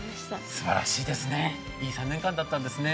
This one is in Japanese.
すばらしいですね、いい３年間だったんですね。